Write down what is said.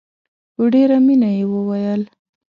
په ډېره مینه یې وویل.